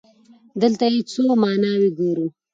دلته يې څو ماناوې ګورو.